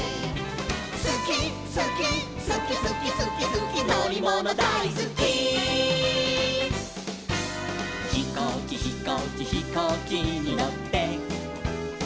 「すきすきすきすきすきすきのりものだいすき」「ひこうきひこうきひこうきにのって」